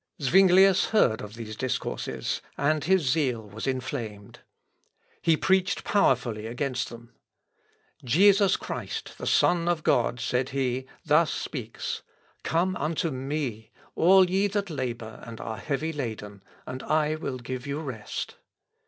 Zuinglius heard of these discourses, and his zeal was inflamed. [Sidenote: STAPFER AND ZUINGLIUS.] He preached powerfully against them. "Jesus Christ, the Son of God," said he, "thus speaks, 'Come unto ME, all ye that labour and are heavy laden, and I will give you rest.'